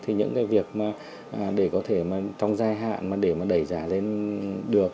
thì những cái việc mà để có thể mà trong dài hạn mà để mà đẩy giá lên được